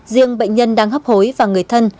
riêng bệnh nhân đang hấp hối và người thân